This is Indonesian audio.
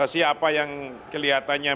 siapa yang kelihatannya